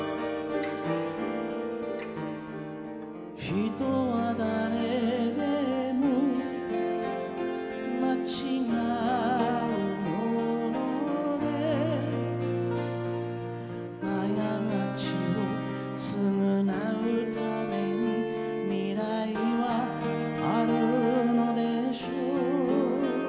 「人は誰でも間違うもので」「過ちを償うために未来はあるのでしょう」